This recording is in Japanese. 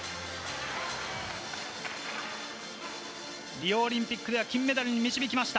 リオオリンピックでは金メダルに導きました。